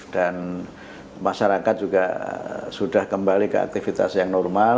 dan masyarakat juga sudah kembali ke aktivitas yang normal